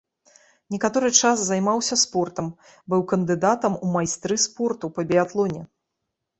Некаторы час займаўся спортам, быў кандыдатам у майстры спорту па біятлоне.